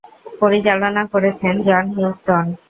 পরিচালনা করেছেন জন হিউজটন।